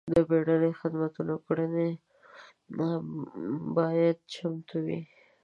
د بیړنیو خدماتو کړنې باید چمتو وي.